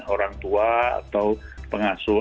orang tua atau pengasuh